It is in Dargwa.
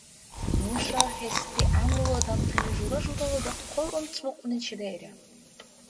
Нуша гьести гӀямрула адамтани жура-журала дахъал анцӀбукьуни чедаира.